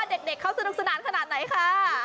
เด็กเขาสนุกสนานขนาดไหนค่ะ